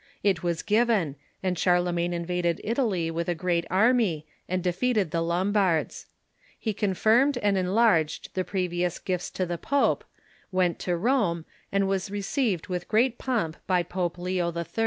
It was given, and Charlemagne invaded Italy with a great army, and defeated the Lombards. He confirmed and enlarged the previous gifts to the pope, went to Rome, and w^as received with great pomp by Pope Leo HI.